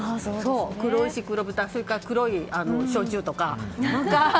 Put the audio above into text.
黒牛、黒豚それから黒い焼酎とか。